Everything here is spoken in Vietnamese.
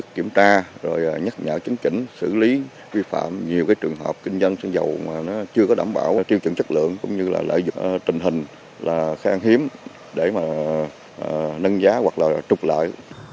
kiểm tra giám sát nhằm giữ ổn định cho thị trường này